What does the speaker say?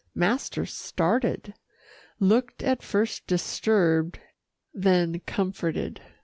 Master started, looked at first disturbed, then comforted.